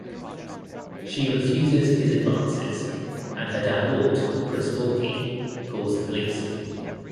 She refuses his advances and her dad Walt (Chris Mulkey) calls the police.